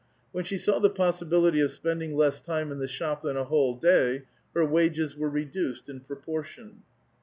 When she saw the possibility of pending less time in the shop than a whole day, her wages vere reduced in proportion.